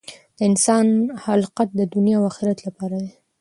د انسان خلقت د دنیا او آخرت لپاره دی.